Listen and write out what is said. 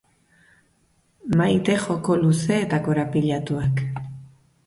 Maite joko luze eta korapilatuak.